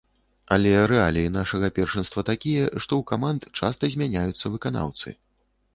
Але рэаліі нашага першынства такія, што ў каманд часта змяняюцца выканаўцы.